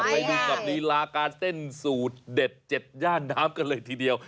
ไปดูกับลีลาการเต้นสูตรเด็ดเจ็ดย่านน้ำกันเลยทีเดียว